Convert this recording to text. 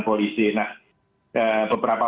polisi nah beberapa